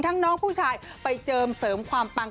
ทางน้องผู้ชายไปเจิมความปัง